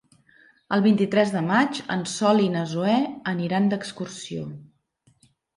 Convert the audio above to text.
El vint-i-tres de maig en Sol i na Zoè aniran d'excursió.